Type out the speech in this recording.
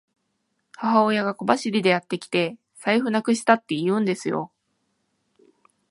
母親が小走りでやってきて、財布なくしたって言うんですよ。